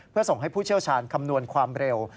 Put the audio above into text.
เพื่อส่งให้ผู้เชี่ยวชาญคำนวณความเร็ว